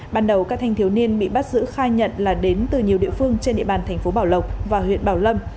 ban đầu các thanh thiếu niên bị bắt giữ khai nhận là đến từ nhiều địa phương trên địa bàn thành phố bảo lộc và huyện bảo lâm